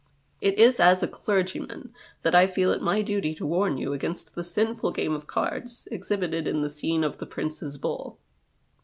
It is as a clergyman that I feel it my duty to warn you against the sinful game of cards exhibited in the scene of the Prince's ball.